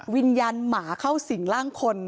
วิญญาณหมาเข้าสิ่งร่างคน